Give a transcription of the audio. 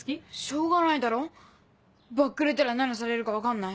しょうがないだろバックレたら何されるか分かんないし。